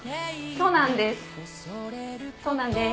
そうなんです。